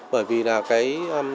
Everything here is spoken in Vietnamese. bởi vì là cái